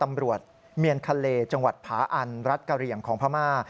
ตำรวจเมียนคาเลจังหวัดผาอันรัฐกะเหลี่ยงของพม่า